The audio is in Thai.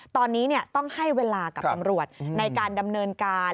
ตอนนี้ต้องให้เวลากับตำรวจในการดำเนินการ